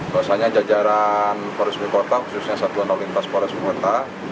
biasanya jajaran polres sukabumi kota khususnya satuan olimpias polres sukabumi kota